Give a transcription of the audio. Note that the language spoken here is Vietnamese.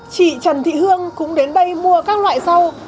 chị trần thị hương cũng đến đây mua các loại rau